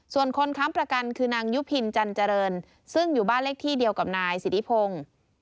ส่วนคนค้ำประกันคือนางยุพินจันเจริญซึ่งอยู่บ้านเลขที่เดียวกับนายสิทธิพงศ์